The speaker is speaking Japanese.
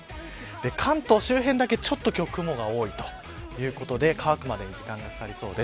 関東周辺だけ、ちょっと雲が多いということで乾くまでに時間がかかりそうです。